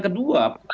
kedua yang pertama